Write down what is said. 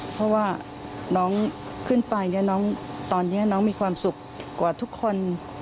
เพราะว่าน้องขึ้นไปเนี่ยน้องตอนนี้น้องมีความสุขกว่าทุกคน